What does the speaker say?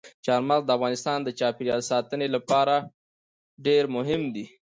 چار مغز د افغانستان د چاپیریال ساتنې لپاره ډېر مهم دي.